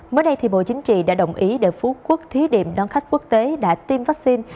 mới đây thì bộ chính trị đã đồng ý để phú quốc thí điểm đón khách quốc tế đã tiêm vaccine